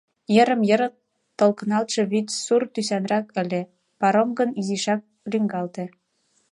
Йырым-йыр толкыналтше вӱд сур тӱсанрак ыле, паром гын изишак лӱҥгалте.